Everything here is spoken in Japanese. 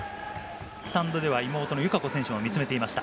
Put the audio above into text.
スタンドでは妹の友香子選手も見つめていました。